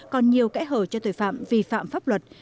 còn nhiều kẽ hở cho tội phạm vi phạm pháp luật